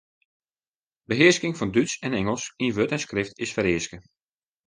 Behearsking fan Dútsk en Ingelsk yn wurd en skrift is fereaske.